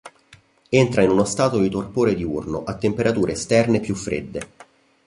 Entra in uno Stato di torpore diurno a temperature esterne più fredde.